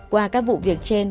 qua các vụ việc trên